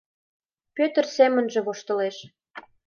Пӧтыр семынже воштылеш: